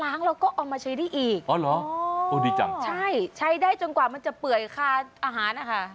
ล้างแล้วก็เอามาใช้ได้อีกใช้ได้จนกว่ามันจะเปื่อยค่ะอาหารนะคะ